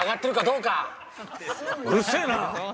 うるせぇな！